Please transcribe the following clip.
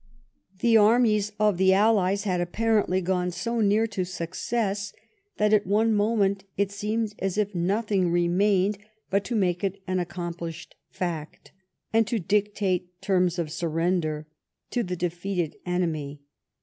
The armies of the allies had apparently gone so near to success that at one moment it seemed as if nothing remained but to make it an accomplished fact, and to dictate terms of surrender to the defeated enemy.